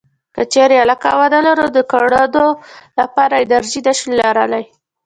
که چېرې علاقه ونه لرو نو د کړنو لپاره انرژي نشو لرلای.